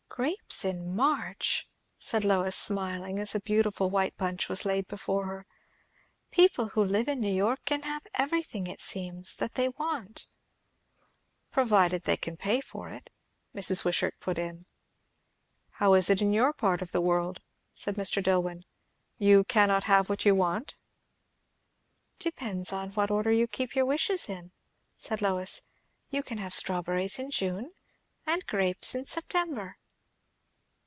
"Grapes in March!" said Lois, smiling, as a beautiful white bunch was laid before her. "People who live in New York can have everything, it seems, that they want." "Provided they can pay for it," Mrs. Wishart put in. "How is it in your part of the world?" said Mr. Dillwyn. "You cannot have what you want?" "Depends upon what order you keep your wishes in," said Lois. "You can have strawberries in June and grapes in September."